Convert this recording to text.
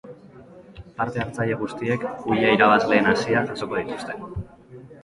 Parte-hartzaile guztiek kuia irabazleen haziak jasoko dituzte.